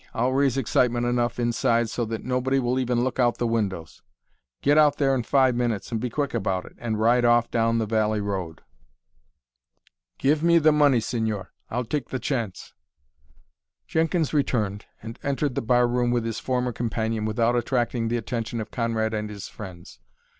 I'll raise excitement enough inside so that nobody will even look out of the windows. Get out there in five minutes, be quick about it, and ride off down the valley road." "Give me the money, señor. I'll take the chance." Jenkins returned, and entered the bar room with his former companion without attracting the attention of Conrad and his friends.